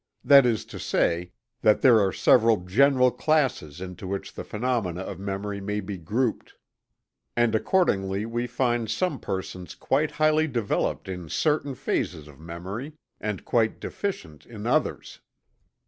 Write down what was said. That is to say, that there are several general classes into which the phenomena of memory may be grouped. And accordingly we find some persons quite highly developed in certain phases of memory, and quite deficient in others.